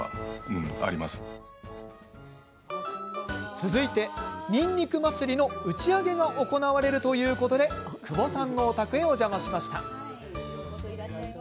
続いて、にんにく祭りの打ち上げが行われるということで久保さんのお宅へお邪魔しました。